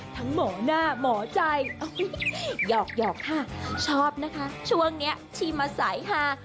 หมอหน้าหมอใจหยอกค่ะชอบนะคะช่วงนี้ชิมมาสายฮา